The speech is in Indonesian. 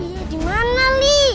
iya di mana li